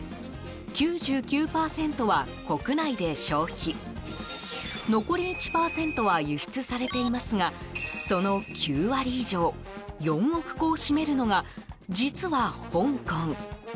９９％は国内で消費残り１％は輸出されていますがその９割以上４億個を占めるのが、実は香港。